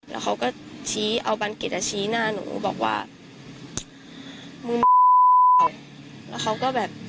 แล้วเขาก็ชี้เอาบานเกร็ดอ่ะชี้หน้าหนูบอกว่ามึงแล้วเขาก็แบบ